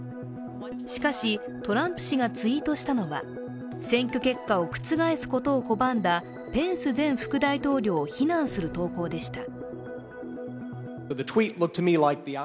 しかし、トランプ氏がツイートしたのは、選挙結果を覆すことを拒んだペンス前副大統領を非難する投稿でした。